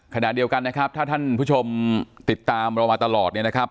ขณะเดียวกันนะครับถ้าท่านผู้ชมติดตามเรามาตลอดเนี่ยนะครับ